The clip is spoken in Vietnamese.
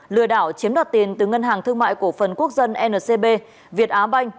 lừa đảo chiếm đoạt tiền từ ngân hàng thương mại cổ phần quốc dân ncb việt á banh